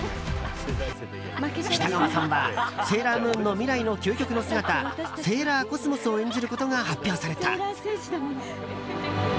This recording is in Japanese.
北川さんはセーラームーンの未来の究極の姿セーラーコスモスを演じることが発表された。